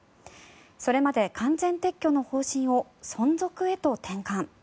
それまで完全撤去の方針を存続へと転換。